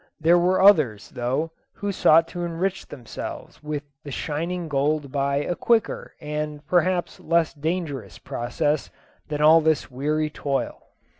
There were others, though, who sought to enrich themselves with the shining gold by a quicker and, perhaps, less dangerous process than all this weary toil.